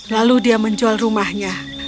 lalu dia menjual rumahnya